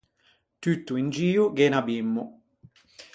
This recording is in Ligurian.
Tutto in gio gh’é un abimmo.